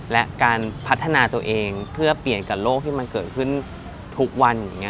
และการพัฒนาตัวเองเพื่อเปลี่ยนกับโลกที่มันเกิดขึ้นทุกวันอย่างนี้